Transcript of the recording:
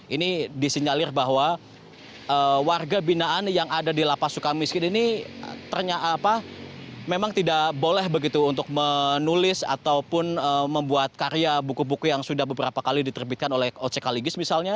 ini disinyalir bahwa warga binaan yang ada di lapas suka miskin ini memang tidak boleh begitu untuk menulis ataupun membuat karya buku buku yang sudah beberapa kali diterbitkan oleh ocekaligis misalnya